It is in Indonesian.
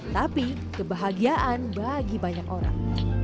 tapi kebahagiaan bagi banyak orang